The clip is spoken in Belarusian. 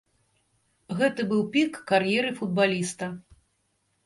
Гэта быў пік кар'еры футбаліста.